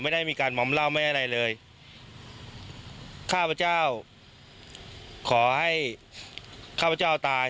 ไม่ได้มีการมอมเหล้าไม่ได้อะไรเลยข้าพเจ้าขอให้ข้าพเจ้าตาย